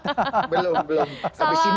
belum belum belum